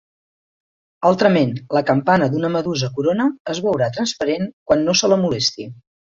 Altrament, la campana d'una medusa corona es veurà transparent quan no se la molesti.